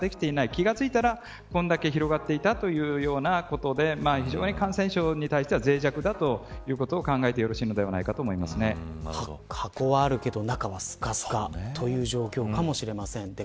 気が付いたらこれだけ広がっていたというようなことで非常に感染症に対しては脆弱だということを考えていかないと箱はあるけど中はすかすかという状況かもしれませんね。